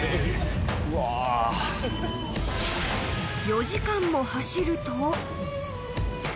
［４時間も走ると］